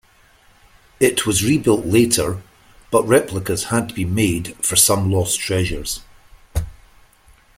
It was rebuilt later, but replicas had to be made for some lost treasures.